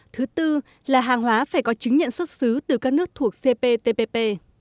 thứ tư là hàng hóa phải có chứng nhận xuất xứ từ các nước thuộc cptpp